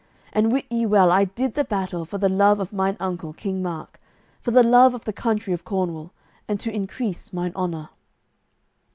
And wit ye well I did the battle for the love of mine uncle, King Mark, for the love of the country of Cornwall, and to increase mine honour."